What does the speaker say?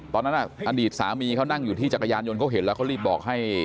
อดีตสามีเขานั่งอยู่ที่จักรยานยนต์เขาเห็นแล้วเขารีบบอกให้